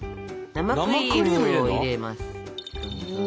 生クリームを入れるの？